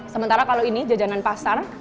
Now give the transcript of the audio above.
sementara kalau ini jajanan pasar